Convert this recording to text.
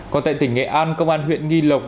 còn tại tỉnh nghệ an công an huyện nghi lộc